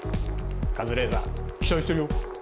カズレーザー期待してるよ！